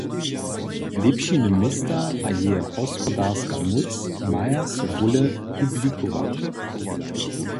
Lěpšiny města a jeje hospodarska móc maja so bóle publikować.